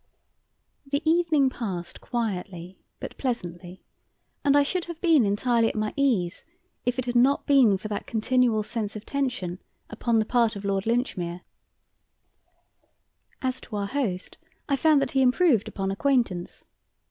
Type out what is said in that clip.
The evening passed quietly but pleasantly, and I should have been entirely at my ease if it had not been for that continual sense of tension upon the part of Lord Linchmere. As to our host, I found that he improved upon acquaintance.